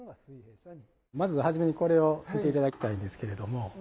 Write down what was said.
まず初めにこれを見て頂きたいんですけれども。